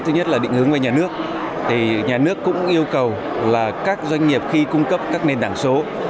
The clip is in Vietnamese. nhiều nhà nước cũng yêu cầu các doanh nghiệp khi cung cấp các nền đảng số